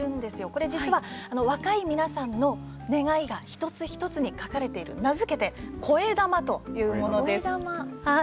これ、実は若い皆さんの願いが一つ一つに書かれている名付けてこえだまというものです。